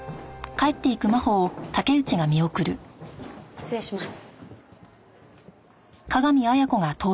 失礼します。